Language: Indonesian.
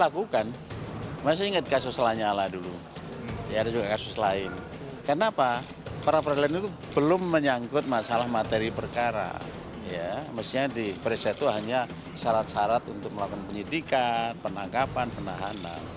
pernahnya di prasetyo hanya syarat syarat untuk melakukan penyidikan penangkapan penahanan